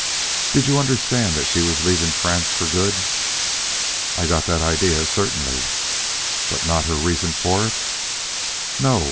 "Did you understand that she was leaving France for good?" "I got that idea, certainly." "But not her reasons for it?" "No.